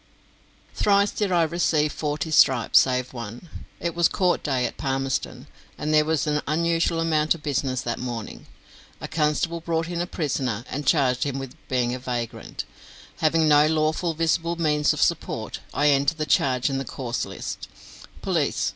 "Thrice did I receive forty stripes, save one." It was court day at Palmerston, and there was an unusual amount of business that morning. A constable brought in a prisoner, and charged him with being a vagrant having no lawful visible means of support. I entered the charge in the cause list, "Police v.